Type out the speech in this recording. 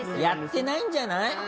やってないんじゃない？